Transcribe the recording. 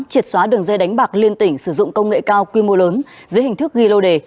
triệt xóa đường dây đánh bạc liên tỉnh sử dụng công nghệ cao quy mô lớn dưới hình thức ghi lô đề